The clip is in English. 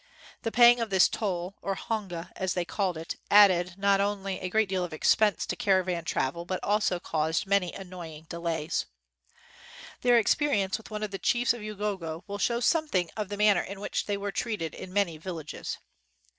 The paying of this toll, or hong a as they call it, added not only a 43 WHITE MAN OF WORK great deal of expense to caravan travel, but also caused many annoying delays. Their experience with one of the chiefs of Ugogo will show something of the man ner in which they were treated in many vil lages.